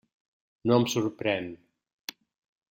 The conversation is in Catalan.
No em sorprèn.